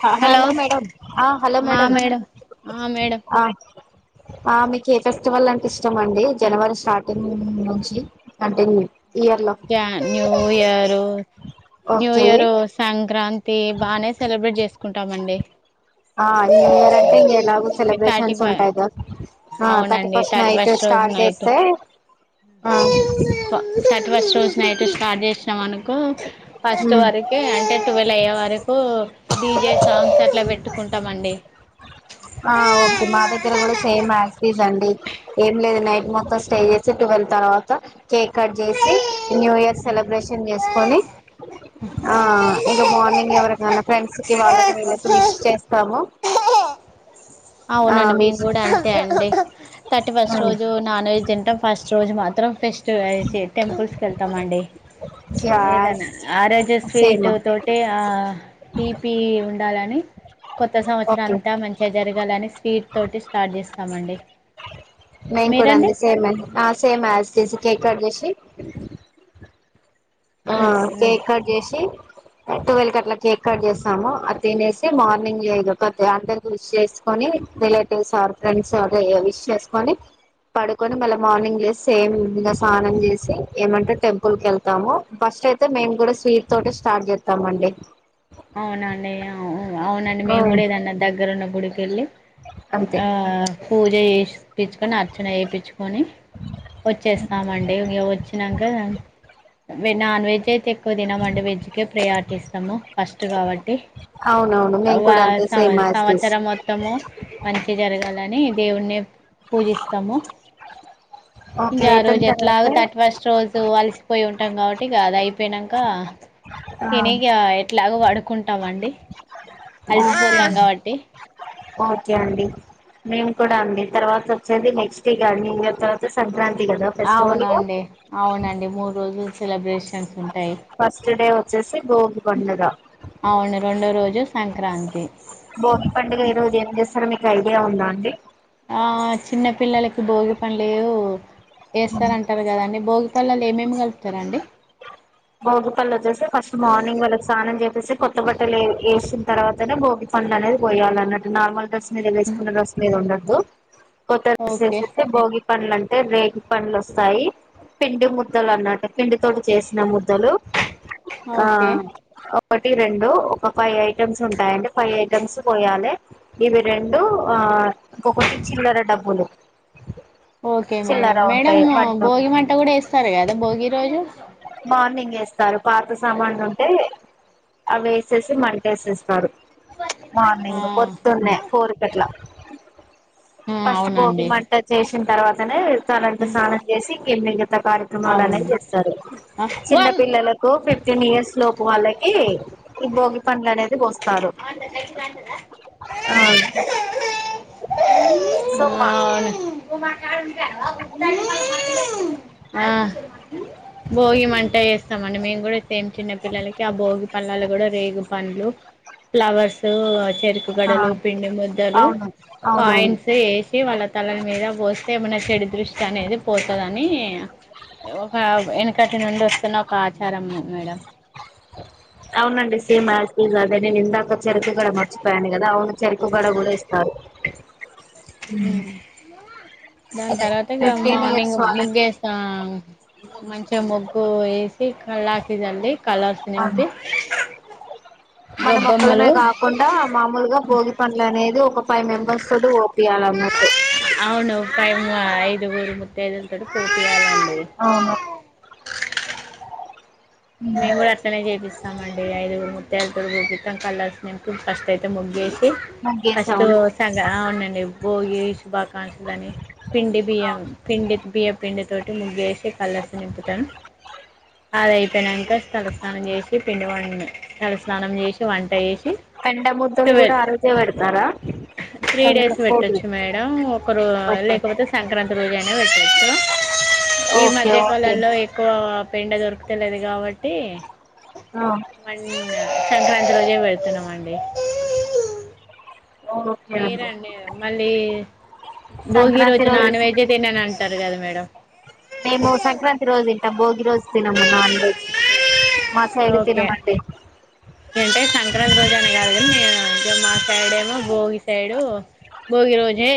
హా hello madam ఆ hello madam ఆ మేడం ఆ ఆ మీకు ఏ ఫెస్టివల్ అంటే ఇష్టం అండి జనవరి స్టార్టింగ్ నుంచి అంటే ఇయర్ లో య న్యూయరు ఓకే న్యూయరు సంక్రాంతి బానే సెలబ్రేట్ చేస్ కుంటామండి ఆ న్యూయర్ అంటే ఇంక ఎలాగు థర్టీ సెలబ్రేషన్స్ ఫ ఉంటాయి క ఆ థర్టీ అవునండి ఫస్ట్ నైట్ రోజు స్టార్ట్ నైట్ చేస్తే ఆ థర్టీ ఫష్ రోజు నైట్ స్టార్ట్ చేసినాం అనుకో ఫస్ట్ ఉమ్ వరకే అంటే టువెల్ అయ్యే వరకు డిజే సాంగ్స్ అట్లా పెట్ పట్టుకుంటామండి ఆ ఓకే మా దగ్గర కూడా సేమ్ యాసిటీస్ అండి ఏం లేదు నైట్ మొత్తం స్టే చేసి టువెల్వ్ తర్వాత కేక్ కట్ చేసి న్యూ ఇయర్ సెలబ్రేషన్ చేసుకొని ఆ ఇక మార్నింగ్ ఎవరికనా ఫ్రెండ్స్ కి వాళ్ళకి వీళ్ళకి విష్ చేస్తాము ఆ అవునండి మేము విష్ కూడా అంతే అండి థర్టీ ఫస్ట్ రోజు నాన్ వెజ్ తింటాం ఫస్ట్ రోజు మాత్రం ఫెస్టివస్ టెంపుల్స్ కెల్తమండి యాస్ ఏదనా ఆరోజు సేమ్ స్వీటు తోటి ఆ తీపి ఉండాలని కొత్త సంవత్సరం ఓకే అంతా మంచిగా జరిగి అని స్వీట్ తోటి స్టార్ట్ చేస్తున్నామండి నేను కూడా అండి సేమ్ అండి ఆ సేమ్ యాసిటీస్ కేక్ కట్ చేసి [unintelligible] ఆ ఉమ్ ఉమ్ కేక్ కట్ చేసి ట్వెల్ కి అట్లా కేక్ కట్ చేస్తాము అది తినేసి మార్నింగ్ అందరికి విష్ చేసుకొని రిలేటివ్స్ ఆర్ ఫ్రెండ్స్ విష్ చేసుకొని పడుకొని మళ్ళీ మార్నింగ్ లేసి సేమ్ ఇకా స్నానం చేసి ఏమంటే టెంపుల్ కి వెళ్తాము ఫస్ట్ అయితే మేము కూడా స్వీట్ తోటి స్టార్ట్ చేత్తామండి అవునా అన్నయ్య అవు అవునండి మేము కూడా ఏదన్న దగ్గర ఉన్న గుడి కెళ్ళి అంతే ఆ ఆ పూజ చేషిపిచ్చుకొని అర్చన చేపిచ్చుకొని వచ్చేస్తామండి ఇగా వచ్చానాక నాన్ వెజ్ అయితే ఎక్కువ తినమండి వెజ్కే ప్రయారిటీ ఇస్తాము ఫస్ట్ కాబట్టి అవునవును మేము వా కూడా అంతే సం సేమ్ యాజ్ టీజ్ సంవత్సరం మొత్తము మంచి జరగాలని దేవుని పూజిస్తాము ఓకే ఇంగ ఆ రోజు అయిపోయిన ఎట్లాగో తర్వాత తటి ఫస్ట్ రోజు అలసిపోయి ఉంటాం కాబట్టి ఇగ అది అయిపోయినాకా ఆ తినిగా అగో పడుకుంటామండి ఓకే అలిసిపోతాం అండి కాబట్టి ఓకే అండి మేము కూడా అండి తర్వాత వచ్చేది నెక్స్ట్ ఇగా న్యూ ఇయర్ తర్వాత సంక్రాంతి కదా ఫెస్టివల్ గా అవునండి అవునండి మూడు రోజులు సెలబ్రేషన్స్ ఉం ఫస్ట్ డే వచ్చేసి బోగి పండగా జు సంక్రాంతి బోగి పండుగ ఈ రోజు ఏం చేస్తారు మీ ఐడియా ఉందా అండి ఆ చిన్న పిల్లలకి భోగిపన్లేవో ఏస్తారంటర్ కదండి భోగి లల్ల ఏమేం కల్పుతరండి. బోగిపళ్లు వచ్చేసి ఫస్ట్ మార్నింగ్ వాళ్ళక్ స్నానం జేపీసి కొత్త బట్టలు ఏ ఏస్ తర్వాతనే బోగి పండనేది పోయాలిన్నట్టు నార్మల్ డ్రెస్ మీరు వేస్కున్న డ్రెస్ మీద ఉండ దు కొత్త డ్రెస్ ఓకే ఏసేసి బోగి పన్లంటే రేగి పండ్లు వస్తాయి పిండి ముద్దలు అన్నట్ పిండి తోటి చేసిన ము ద్దలు ఆ ఓకే ఒకటి రెండు ఒక ఫైవ్ ఐటెమ్స్ ఉంటాయండి ఫైవ్ ఐటమ్స్ పోయాలె ఇవి రెండు ఆ ఇంకొకటి చిల్లర డబ్బులు ఓకే చిల్లర మేడం ఉంటాయి మేడమ్ వడ్లు భోగి మంట గుడా ఏస్తారు కదా భోగి రోజు మార్నింగ్ ఏస్తారు. పాత సామాన్లుంటే అవి ఏసేసి మంటేసేస్స్తారు. ఆ మార్నింగ్ పొద్దున్నే ఫోర్కట్ల ఆ ఫస్ట్ భోగి అవునండి మంట చేస్ తర్వాతనే తలంటు స్నానం చేసి [unintelligible] త కార్యక్రమాల్ అనేవి అవును చేస్తారు. ఆ చిన్న వన్ పిల్లలకు ఫిఫ్టీన్ ఇయర్స్ లోపు వాళ్ళకి ఈ భోగి పండ్లనేది పోస్ తారు. ఆ అవును ఆ భోగిమంట చేస్తామండి మేం గుడ సేమ్ చిన్న పిల్లలకి ఆ భోగి పల్లాలు గుడ రేగు పండ్లు ఫ్లవర్స్ చెరుకు గడలు ఆ పిండి ముద్దలు అవును అవునవును కాయిన్స్ ఏసి వాళ్ళ తలల మీద పోస్తే మన చెడు దృష్టి అనేది పోతదిని ఒక వెనక నుండో వస్తున్న ఒక ఆచారము మేడం అవునండి సేమ్ ఆసిటీజ్ అదే నేనిందా చెరుకు గడ మర్చిపోయాను కదా అవును చెరుకుగడ గూడా ఇస్తారు. దాని అదే తర్వాత ఇగ ఫిఫ్టీన్ ఇయర్స్ మార్నింగ్ ముగ్గు వాళ్ళకి వేస్తారు మంచ్ ముగ్గూ ఏసి కలపి చల్లి కలర్స్ అవును నింపి మనం ఒక్కలమే గొబ్బమ్మలు కాకుండా మామూలుగా భోగి పండ్లు అనేది ఒక ఫైవ్ మెంబర్స్ తోటి [inaudible] అవును ఫైవ్ [inaudible] గురు ముత్తయిదులు తోటి పోపిలయండి. అవును మేం గుడా అట్లనే చేపి తామండి ఐదుగు ముత్తయిదులు తోని పోపిస్తాం కలర్స్ నింపి ఫస్ట్ అయితే ముగ్గేసి ఫస్టు ముగ్గేసాము సగ అవునండి భోగీ ఏ శుభాకాంక్షలు అని పిండి బియ్యం పిండి బియ్య పిండి తోటి ముగ్గేసి కలర్ నింపుతాను అద ఇంకా తలస్నానం చేసి పిండి వడి తలస్నానం చేసి వంట చేసి పెండ ముద్దలు కూడా ట్వోవెల్ ఆ రోజే పెడతారా త్రీ డేస్ భోగి పెట్టొచ్చు మేడం ఒక రో ఓకే లేకపోతే సంక్రాంతి రోజు అయిన పెట్టచ్చు ఈ ఓకే ఓకే మధ్యకాలంలో ఎక్కువ పీటర్ తెలిదు కాబట్టి ఆ మ సంక్రాంతి రోజే పెడతాం అండి ఓకే అండి మీరండి మళ్ళీ భోగి రోజు నాన్ వెజ్ తినని అంటారు కదా మేడం ఈరోజ తినము నాన్ వెజ్ మా సైడ్ ఓకే తినమండి అంటే సంక్రాంతి రోజు అనే కాదు మా సైడ్ ఏమో భోగి సైడు భోగి రోజే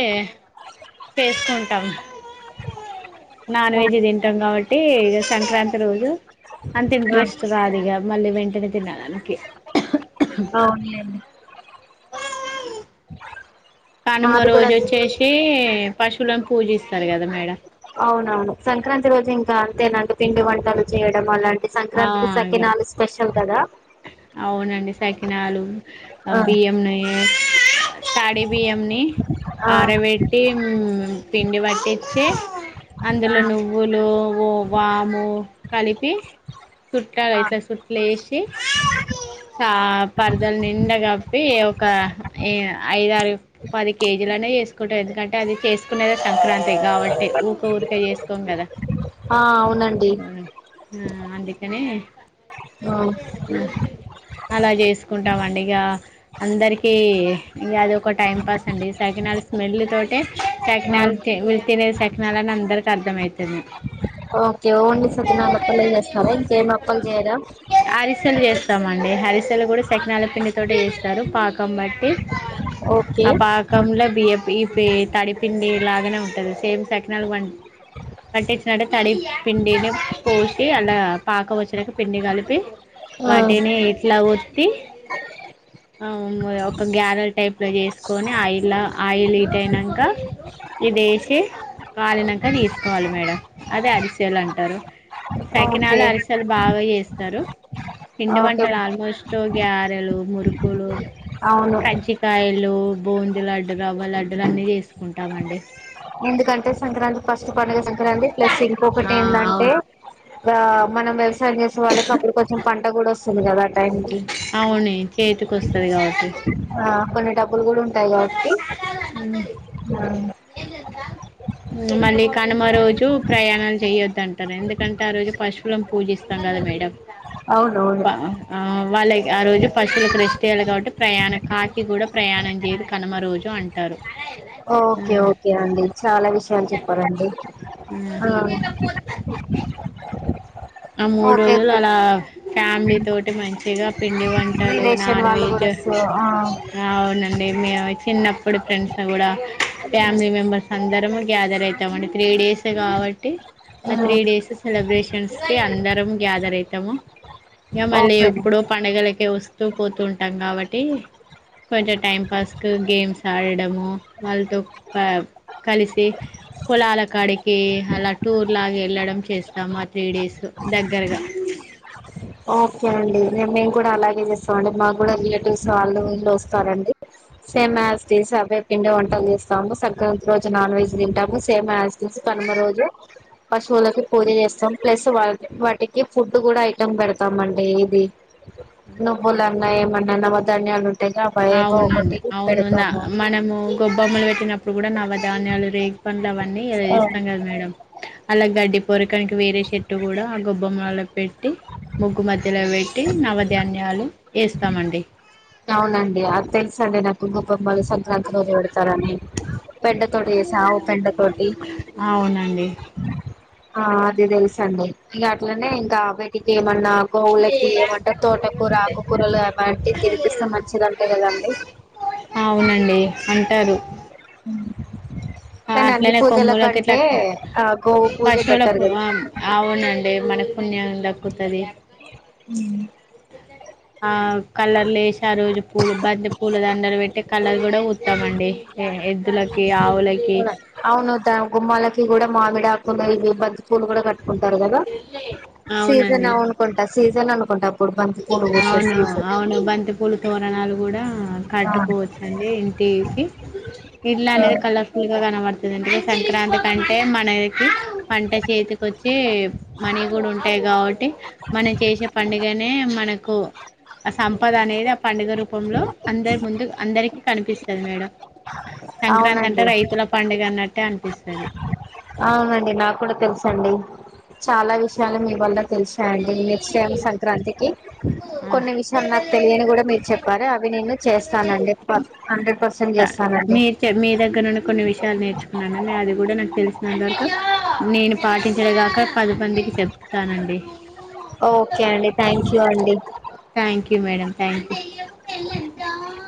చేసుకుంటాం నాన్ వెజ్ తింటాం కాబట్టి టి ఇ సంక్రాంతి రోజు అంత ఇంట్రెస్ట్ రాదు ఇగా మళ్ళీ వెంటనే తినడానికి అవునులేండి కనుమ మాది కూడా రోజు అంతే వచ్చేసి పశువులను పూజిస్త స్తారు కదా మేడం అవునవును సంక్రాంతి రోజు ఇంకా అంతేనండి పిండి వంటలు చేయడం అలాంటి ఆ సంక్రాంతికి ఇగ సకినాలు స్పెషల్ కదా అవునండి సకినాలు బియ్యంని తడి బియ్యంని ఆ ఆరబెట్టి పిండి పట్టిచ్చి అందులో నువ్వులు ఓవాము కలిపి చుట్టాలి ఇట్లా సూట్లేసి ఆ పరదలు నిండా కప్పి ఒక ఐదారు పది కేజీలనే చేసుకుంటాం ఎందుకంటే అది చేసుకునేదే సంక్రాంతి అ కాబట్టి ఊకే ఊరికే చేసుకోం కదా ఆ అవునండి ఆ అందుకనే అలా చేసుకుంటామండి ఇగ అందరికీ ఇంగా అది ఒక టైం పాస్ అండి సకినాలు స్మెల్ తోటి సకినాల్ తినే సఖి లని అందరికి అర్థమవుతది ఓకే ఓన్లీ సకినాలప్పలే చేస్తారా ఇంకేమి ఇంకేమి అప్పాలు చేయరా పసలు కూడ శకినాల పిండి తోటి చేస్తారు పాకం బట్టి ఓకే ఆ పాకంల బియా పి తడిపిండి లాగానే ఉంటది సేమ్ సకినాలు ప పట్టించినట్టు తడి పిండిని పోసి అలా పాకం వచ్చినాక పిండి కలిపి వాటినే ఇట్లా వ త్తి ఒక గ్యారల్ టైప్ లో చేసుకొని ఆయిల్ ఆయిల్ హీట్ అయినంక ఇది వేసి కాలినాక తీసుకోవాలి మేడం అది అరిసే ల అంటారు సకినాల ఓకే అరిసెలు బాగా చేస్తా స్తారు పిండి ఓకే వంటల ఆల్మోస్ట్ గ్యారెలు మురుకులు అవును కజ్జికాయలు బూందీ లడ్డులు రవ్వ లడ్డూలు అన్ని చేసుకుంటామండి ఎందుకంటె సంక్రాంతి ప పండుగ సంక్రాంతి ప్లస్ ఇంకొకటి ఆ ఏంటంటే అవును బ మనం పని చేస వాళ్ళకి అప్పుడు కొంచం పన్ పూట కూడ అస్సలు కదా టైం కి అవునె లేటుగావస్తది కాబట్టి ఆ కొన్ని డబ్ బ్బులు కూడ ఉంటాయి కాబట్టి మ్ ఆ మళ్ళీ కనుమ రోజు ప్రయాణాలు చేయొద్దంటారు ఎందుకంటే ఆ రోజు పశువులను పూజిస్తాం కద మేడం అవును అవును ప ఆ వాళ్ళ ఆ రోజు పశువులకు రెస్ట్ ఇయాలె కాబట్టి ప్రయాణం కాసి కూడ ప్రయాణం చేయరు కనుమ రోజు అంటారు ఆ ఓకె ఓకె అండి చాల విష్ షయాలు చెప్పారండి ఆ ఆ మూడు ఓకే రోజులు అలా ఫ్యామ్లీ తోటి మంచిగా పిండి వంట రిలేషన్ వాళ్ళ కూడ వస్సు అవునండి మేము చిన్నప్పుడు ఫ్రెండ్స్ కూడ ఫ్యామిలీ మెంబర్స్ అందరము గ్యాదర్ అయితామండి త్రీ డేస్ కాబట్టి అ త్రీ ఉమ్, డేస్ సెలబ్రేషన్స్ అందరం గ్యాదర్ అయితము ఇంక మళ్ళీ ఓకే అండి ఎప్పుడో పండుగలకే వస్త వస్తూ పోతూటాం కాబట్టి కొంచెం టైం పాస్ క గేమ్స్ ఆడడము వాళ్ళతో కలిసి పోలాల కాడికి అలా టూర్ లాగ వెళ్ళడం చేస్తాము ఆ త్రీ డేస్ సో దగ్గరగా ఓకే అండిే రేపు నేన్ కూడ అలాగే చేస్తాం అండి మాకు కూడా రిలేటివ్స్ వాళ్ళు వీళ్ళు వస్తారండి సేమ్ హ్యాస్ టీజ్ అవే పిండి వంటలు చేస్తాము సంక్రాంతి రోజు నాన్ వెజ్ తింటాము సేమ్ హ్యాస్ టీజ్ కనుమ రోజు పశువులకి పూజ చేస్తాము ప్లస్ వా వాటికి ఫుడ్ కూడ ఐటమ్ పెడతుంది స్తామండి ఇది నువ్వు లని ఉన్నాయి ఏమన్న పోతాం [unintelligible] అవునండి అవును ఉందా మనము గొబ్బొమ్మలు పెట్టినప్పుడు ఇప్పుడు కూడ నవ ధాన్యాలు రేగి పండ్లు అన్ని ఇలా చేస్తాం కదా మేడం అలా గడ్డి పూరకానికి వేరే చెట్టు కూడా గొబ్బమలో పెట్టి ముగ్గు మధ్యలో పెట్టి నవధాన్యాలు వేస్తామండి అవునండి అది తెలుసండి నాకు గొబ్బెమ్మలు సంక్రాంతి రో పెడతారని పెండతోటి చేసి ఆవు పెండతోటి అవునండి ఆ అదే తెలుసండి ఇక అట్లనే ఇంకా బయటికి మన్న గోవులకి ఏమంటారు తోటకూర ఆకుకూరలు అలాంటివి తినిపిస్తే మంచిదింటాయి కదండి అవునండి అంటారు కానీ అన్ని అట్లనే పూజల కొమ్ములకి ఇట్లా కంటే ఆ గోవు పూజ బెటర్ పశువులకు కదా అవునండి మన పుణ్యం దక్కుతది ఆ కలర్లు వేసి ఆ రోజు పూలు బంత పూలు దండర పెట్టి కలర్ కూడా వస్తాం అండి ఎద్దులకి ఆవులకి అవునుదా గుమ్మాల ఇ కూడా మామిడికుండా ఇవి బద్ద పూలు కూడా క ంటారుద సీజన్ అవునండి ఉంకుంట సీజన్ అనుకుంటాం అవును అవును బంత పలుతవరణాలు కూడా ఆ కట్టుకోవచ్చండి ఇంకా కి ఇడ్లా అనేది కళస్త కనబడుతుంది అంటే సంక్రాంతి కంటే మనకి పంట చేతిక వచ్చి మనీ కూడా ఉంటాయి కాబట్టి మనం చేసే పండుగనా మనకు ఆ సంపద అనేది పండుగ రూపంలో అందరు ముందు అందరికి కనిపిస్తుంది మేడం సంక్రాంతి అంటే అవునండి రైతుల పండుగ అన్నట్టే అనిపిస్తది అవునండి నాకు కూడా తెలుస అండి చాలా విషయాలు మీ వల్ల తెలుసా అండి నెక్స్ట్ టైం సంక్రాంతికి కొన్ని విషయాలు నాకు తెలియని కూడా మీరు చెప్పారు అవి నేను చేస్తానండి ఆ ప అంటే పసంట్ చేస్తానండి మీరు మీ దగ్గర నుండి కొన్ని విషయాలు నేర్చుకున్నానండి అది కూడా నాకు తెలిసినంతవరకు నేను పాటించడంగాక పదిమందికి చెప్తానండి ఓకే అండి థ్యాంక్ యూ అండి వెలంట